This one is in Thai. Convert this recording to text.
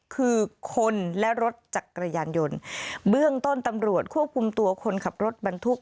คือคนและรถจักรยานยนต์เบื้องต้นตำรวจควบคุมตัวคนขับรถบรรทุก